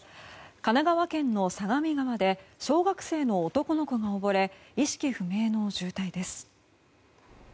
神奈川県の相模川で小学生の男の子が溺れ意識不明の重体です。